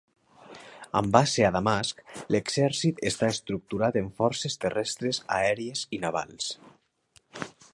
Amb base a Damasc, l'exèrcit està estructurat en forces terrestres, aèries i navals.